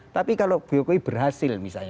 tapi kalau jokowi berhasil misalnya